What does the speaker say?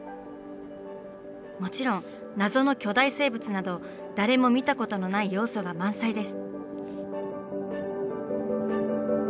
もちろん謎の巨大生物など誰も見たことのない要素が満載です。